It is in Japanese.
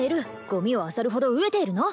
ゴミをあさるほど飢えているの？